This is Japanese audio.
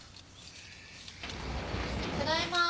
ただいま。